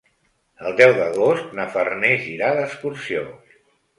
El deu d'agost na Farners irà d'excursió.